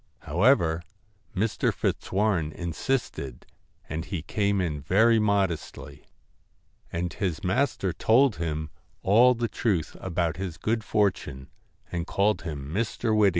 However, Mr. Fitzwarren insisted, and he came in very modestly, and his master told him 130 all the truth about his good fortune, and called WHIT him Mr. Whittington.